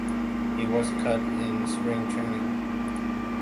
He was cut in spring training.